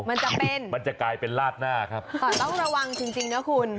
มันจะเป็นมันจะกลายเป็นลาดหน้าครับต้องระวังจริงจริงนะคุณ